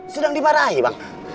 sudah dimarahi bang